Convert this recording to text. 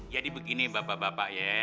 jadi begini bapak bapak ya